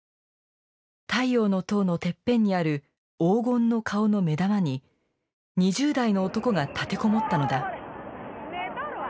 太陽の塔のてっぺんにある黄金の顔の目玉に２０代の男が立て籠もったのだ。